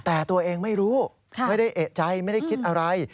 แต่ตัวเองไม่รู้ไม่ได้เอกใจไม่ได้คิดอะไร